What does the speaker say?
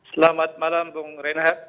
selamat malam bung renha